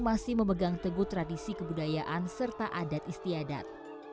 masih memegang teguh tradisi kebudayaan serta adat istiadat